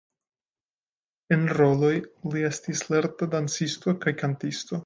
En roloj li estis lerta dancisto kaj kantisto.